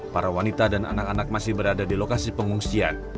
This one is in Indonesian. para wanita dan anak anak masih berada di lokasi pengungsian